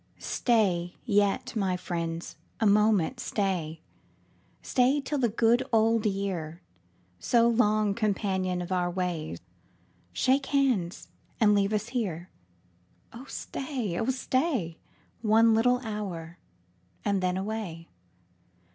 Stat yet, my friends, a moment stay — Stay till the good old year, So long companion of our way, Shakes hands, and leaves ns here. Oh stay, oh stay. One little hour, and then away.